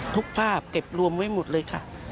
ภาพเก็บรวมไว้หมดเลยค่ะ